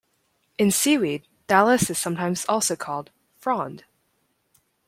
In seaweed, thallus is sometimes also called 'frond'.